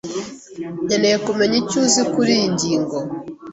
Nkeneye kumenya icyo uzi kuriyi ngingo.